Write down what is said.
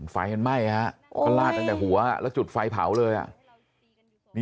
ไฟมันไหม้ฮะก็ลาดตั้งแต่หัวแล้วจุดไฟเผาเลยอ่ะ